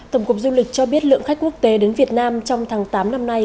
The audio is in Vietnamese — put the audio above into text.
tổng cục du lịch cho biết lượng khách quốc tế đến việt nam trong tháng tám năm nay